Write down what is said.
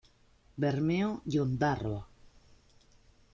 Bermeo y Ondárroa".